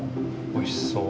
おいしそう。